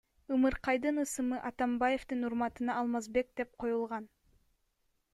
Ымыркайдын ысымы Атамбаевдин урматына Алмазбек деп коюлган.